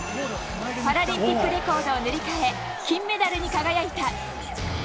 パラリンピックレコードを塗り替え、金メダルに輝いた。